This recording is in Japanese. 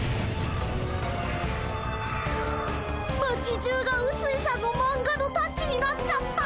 町じゅうがうすいさんのマンガのタッチになっちゃった。